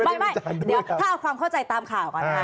ไม่เดี๋ยวถ้าเอาความเข้าใจตามข่าวก่อนนะคะ